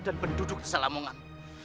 dan penduduk selamongan